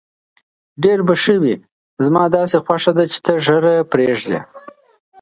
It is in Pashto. ډېر به ښه وي، زما داسې خوښه ده چې ته ږیره پرېږدې.